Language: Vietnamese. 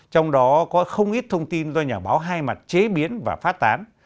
trong đó có không ít thông tin do nhà báo hai mặt chế biến và phát tán